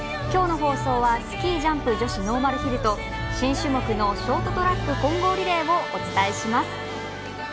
きょうの放送はスキー・ジャンプノーマルヒルと新種目のショートトラック混合リレーをお伝えします。